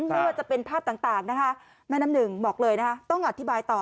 ไม่ว่าจะเป็นภาพต่างนะคะแม่น้ำหนึ่งบอกเลยนะคะต้องอธิบายต่อ